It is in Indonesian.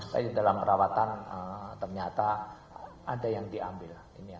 tapi dalam perawatan ternyata ada yang diambil